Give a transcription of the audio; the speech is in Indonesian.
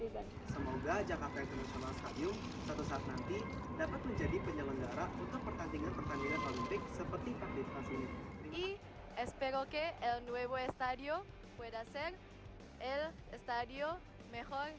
yang menama jakarta international stadium